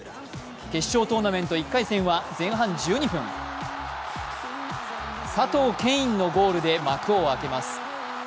決勝トーナメント１回戦は前半１２分、佐藤恵允のゴールで幕を開けます。